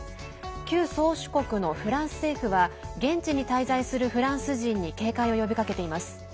旧宗主国のフランス政府は現地に滞在するフランス人に警戒を呼びかけています。